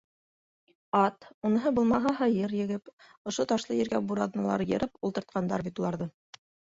Ат, уныһы булмаһа, һыйыр егеп, ошо ташлы ергә бураҙналар йырып ултыртҡандар бит уларҙы.